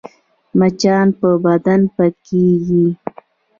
مچان په بدن پکېږي